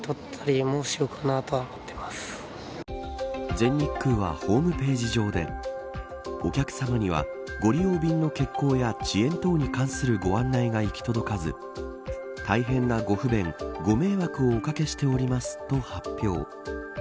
全日空は、ホームページ上でお客さまにはご利用便の欠航や遅延等に関するご案内が行き届かず大変な不ご不便、ご迷惑をおかけしておりますと発表。